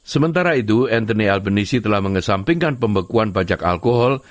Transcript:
sementara itu anthony alvenisi telah mengesampingkan pembekuan pajak alkohol